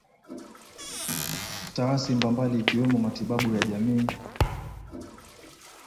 Taasi mbambali ikiwemo Matibabu ya jamii na Zanempilo